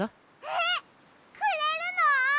えっくれるの？